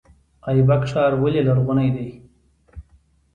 ایبک ښار ولې لرغونی دی؟